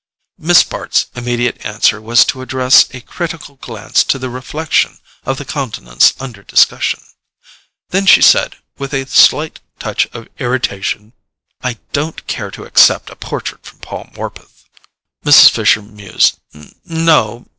Miss Bart's immediate answer was to address a critical glance to the reflection of the countenance under discussion. Then she said, with a slight touch of irritation: "I don't care to accept a portrait from Paul Morpeth." Mrs. Fisher mused. "N—no.